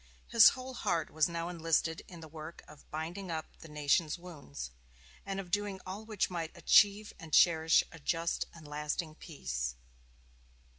His whole heart was now enlisted in the work of "binding up the nation's wounds," and of doing all which might "achieve and cherish a just and lasting peace."